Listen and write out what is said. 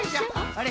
あれ？